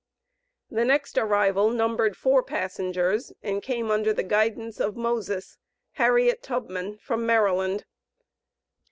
The next arrival numbered four passengers, and came under the guidance of "Moses" (Harriet Tubman), from Maryland.